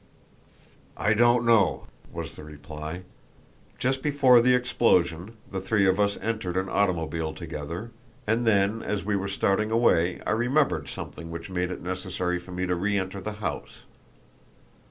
"I don't know," was the reply. "Just before the explosion the three of us entered an automobile together, and then as we were starting away I remembered something which made it necessary for me to reenter the house.